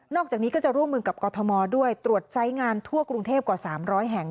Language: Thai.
จากนี้ก็จะร่วมมือกับกรทมด้วยตรวจไซส์งานทั่วกรุงเทพกว่า๓๐๐แห่ง